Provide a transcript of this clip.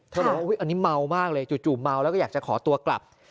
บอกว่าอันนี้เมามากเลยจู่เมาแล้วก็อยากจะขอตัวกลับ